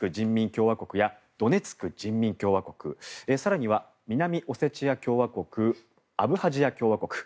共和国ドネツク人民共和国更には南オセチア共和国アブハジア共和国